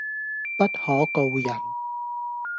不可告人